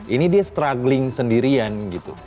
ini dia struggling sendirian gitu